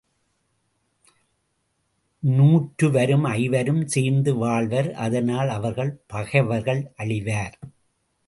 நூற்றுவரும் ஐவரும் சேர்ந்து வாழ்வர், அதனால் அவர்கள் பகைவர்கள் அழிவர்.